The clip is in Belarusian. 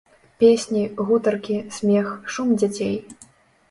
Песні, гутаркі, смех, шум дзяцей.